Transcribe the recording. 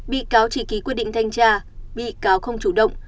bị cáo chỉ ký quyết định thanh tra bị cáo không chủ động